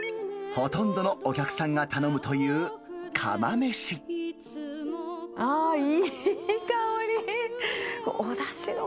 ほとんどのお客さんが頼むとあー、いい香り。